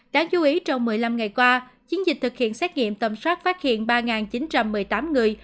đáng chú ý trong một mươi năm ngày qua chiến dịch thực hiện xét nghiệm tầm soát phát hiện ba chín trăm một mươi tám người